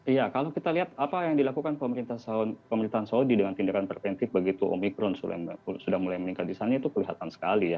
iya kalau kita lihat apa yang dilakukan pemerintahan saudi dengan tindakan preventif begitu omikron sudah mulai meningkat di sana itu kelihatan sekali ya